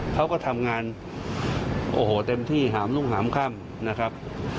เขาก็ทำงานโอ้โหเต็มที่หามรุ่งหามค่ำนะครับ